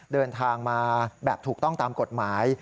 เดินทางมาแบบถูกต้องตามกฎหมาย